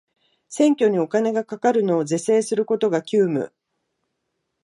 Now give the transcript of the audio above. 選挙にお金がかかるのを是正することが急務